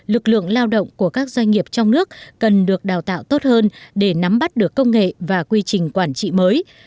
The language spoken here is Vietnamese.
lực lượng lao động của các doanh nghiệp trong nước cần được đào tạo tốt hơn để nắm bắt được công nghệ và quy trình quản trị mới